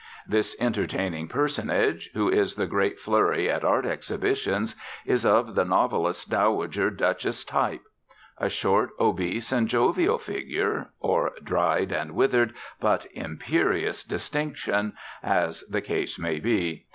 This entertaining personage, who is the great flurry at art exhibitions, is of the novelists' dowager Duchess type. A short, obese, and jovial figure, or dried and withered but imperious distinction, as the case may be.